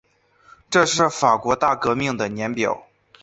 这是法国大革命的年表